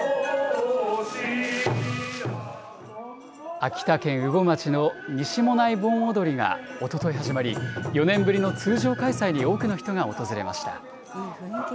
秋田県羽後町の西馬音内盆踊りがおととい始まり、４年ぶりの通常開催に多くの人が訪れました。